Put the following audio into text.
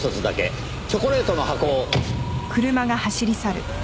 チョコレートの箱を。